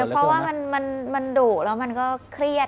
เพราะว่ามันดุแล้วมันก็เครียด